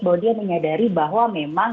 bahwa dia menyadari bahwa memang